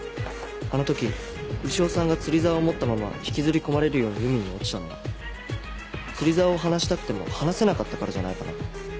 あの時潮さんが釣り竿を持ったまま引きずり込まれるように海に落ちたのは釣り竿を離したくても離せなかったからじゃないかな。